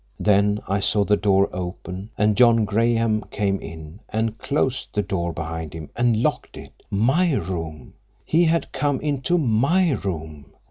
Then I saw the door open, and John Graham came in, and closed the door behind him, and locked it. My room. He had come into _my room!